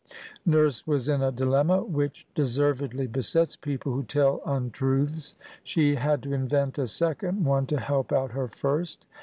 Nurse was in a dilemma which deservedly besets people who tell untruths. She had to invent a second one to help out her first.